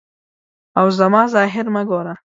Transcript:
او زما ظاهر مه ګوره.